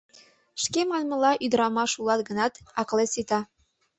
— Шке манмыла, ӱдырамаш улат гынат, акылет сита.